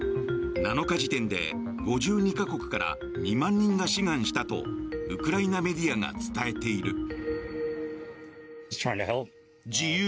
７日時点で５２か国から２万人が志願したとウクライナメディアが伝えている。